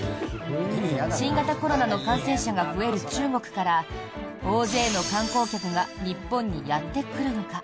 新型コロナの感染者が増える中国から大勢の観光客が日本にやってくるのか？